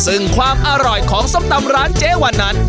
ซึ่งความอร่อยของส้มตำร้านเจ๊วันนั้น